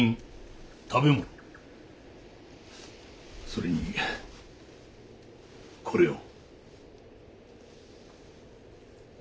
それにこれを。